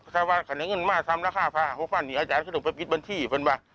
ซังวันขนานเงินมากซ้ำแล้วข้าพระฮพเนี่ยอาจารย์เราถึงไปบิดบัญชีเห็นป่ะ